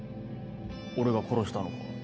俺が殺したのか？